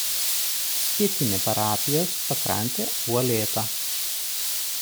Pietinė parapijos pakrantė uolėta.